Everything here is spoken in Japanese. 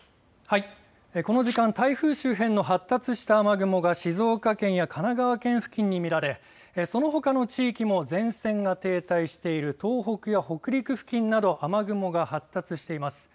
この時間、台風周辺の発達した雨雲が静岡県や神奈川県付近に見られ、そのほかの地域も前線が停滞している東北や北陸付近など雨雲が発達しています。